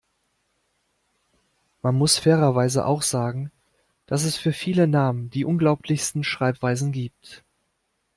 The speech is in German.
Man muss fairerweise auch sagen, dass es für viele Namen die unglaublichsten Schreibweisen gibt.